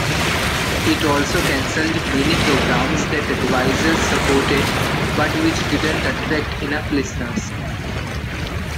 It also canceled many programs that advertisers supported but which didn't attract enough listeners.